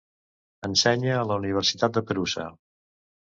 Ensenya a la Universitat de Perusa.